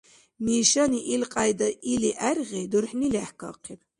Мишани илкьяйда или гӀергъи, дурхӀни лехӀкахъиб.